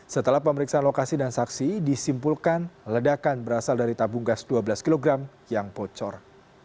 setelah pemeriksaan lokasi dan saksi disimpulkan ledakan berasal dari tabung gas dua belas kg yang bocor